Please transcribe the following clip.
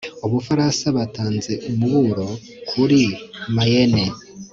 ubufaransa batanze umuburo kuri mayenne